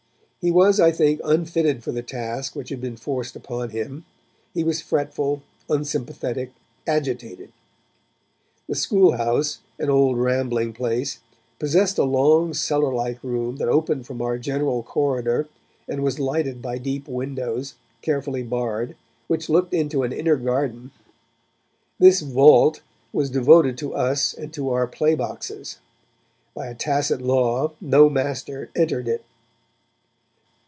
He was, I think, unfitted for the task which had been forced upon him; he was fretful, unsympathetic, agitated. The school house, an old rambling place, possessed a long cellar like room that opened from our general corridor and was lighted by deep windows, carefully barred, which looked into an inner garden. This vault was devoted to us and to our play boxes: by a tacit law, no master entered it.